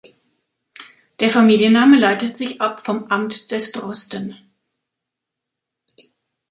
Der Familienname leitet sich ab vom Amt des Drosten.